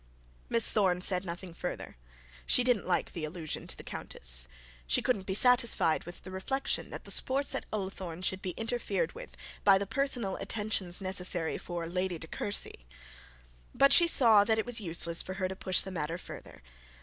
Miss Thorne said nothing further. She didn't like the allusion to the countess. She couldn't be satisfied with the reflection that the sports of Ullathorne should be interfered with by the personal attentions necessary for a Lady de Courcy. But she saw that it was useless for her to push the matter further.